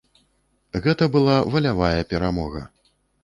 Гэта была валявая перамога.